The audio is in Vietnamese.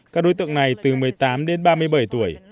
các đối tượng này từ một mươi tám đến ba mươi bảy tuổi